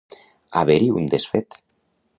Haver-hi un desfet.